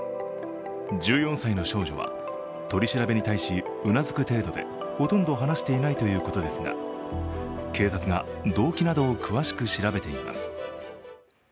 １４歳の少女は取り調べに対しうなずく程度でほとんど話していないということですが警察が動機などを詳しく調べています。